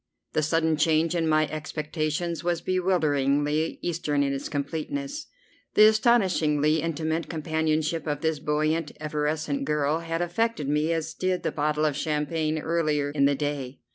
The sudden change in my expectations was bewilderingly Eastern in its completeness. The astonishingly intimate companionship of this buoyant, effervescent girl had affected me as did the bottle of champagne earlier in the day.